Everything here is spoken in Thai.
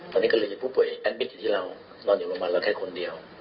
ตอนนี้ก็เลยเป็นผู้ป่วยแอลบิทย์ที่เรานอนอยู่บางวันแล้วแค่คนเดียว